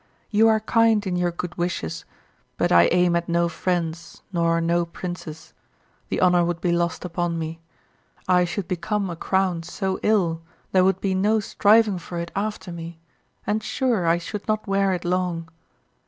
You are kind in your good wishes, but I aim at no friends nor no princes, the honour would be lost upon me; I should become a crown so ill, there would be no striving for it after me, and, sure, I should not wear it long.